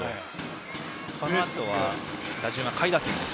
このあとは打順は下位打線です。